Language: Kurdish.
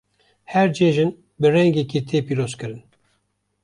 Her cejin bi rengekî tê pîrozkirin.